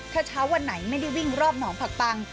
ถ้าเช้าวันไหนไม่ได้วิ่งรอบหนองผักปัง